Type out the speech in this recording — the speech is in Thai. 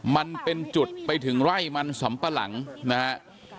มันเป็นจุดไปถึงไร่มันสำปะหลังนะฮะ